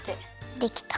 できた。